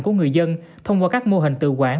của người dân thông qua các mô hình tự quản